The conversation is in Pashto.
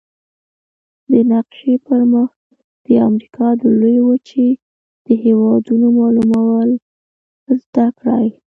د نقشي پر مخ د امریکا د لویې وچې د هېوادونو معلومول زده کړئ.